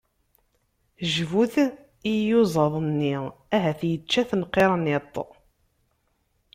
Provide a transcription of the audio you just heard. Jbut i iyuzaḍ-nni, ahat yečča-ten qirniṭ!